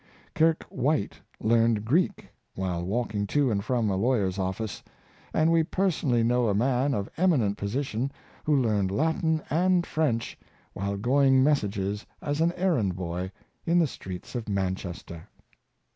Kirke White learned Greek while walking to and from a lawyer's office; and we personally know a man of eminent position who learned Latin and French while going messages as an errand bo}^ in the streets of Manchester.